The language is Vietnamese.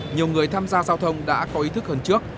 nhiều người tham gia giao thông đã có ý thức hơn trước